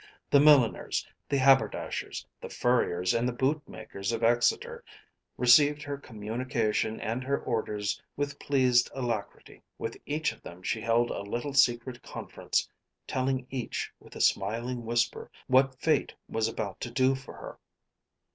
The milliners, the haberdashers, the furriers and the bootmakers of Exeter received her communication and her orders with pleased alacrity. With each of them she held a little secret conference, telling each with a smiling whisper what fate was about to do for her.